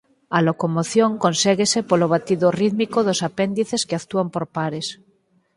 A locomoción conséguese polo batido rítmico dos apéndices que actúan por pares.